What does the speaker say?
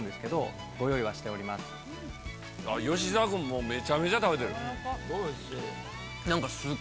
吉沢君もめちゃめちゃ食べてる。